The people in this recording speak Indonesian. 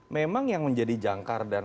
memang yang menjadi jangkar dan